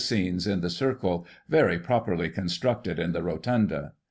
171 scenes in the circle, very properly constructed in the Rotunda.